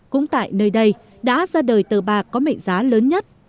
cũng tại nơi đây đã ra đời tờ bạc có mệnh giá lớn nhất